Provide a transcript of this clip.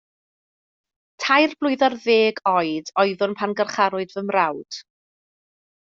Tair blwydd ar ddeg oed oeddwn pan garcharwyd fy mrawd.